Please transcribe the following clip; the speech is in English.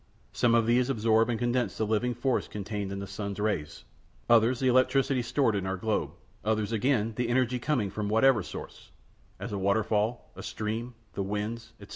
Some of these absorb and condense the living force contained in the sun's rays; others, the electricity stored in our globe; others again, the energy coming from whatever source, as a waterfall, a stream, the winds, etc.